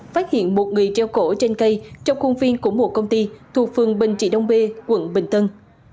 phát hiện một người treo cổ trên cây trong khuôn viên của một công ty thuộc phường bình trị đông bê quận bình tân